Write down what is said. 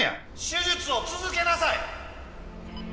「手術を続けなさい！」